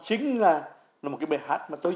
chính là một cái bài hát